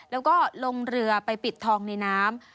แล้วก็ลงเรือไปปิดทองในน้ำ